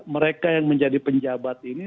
mereka yang menjadi penjabat ini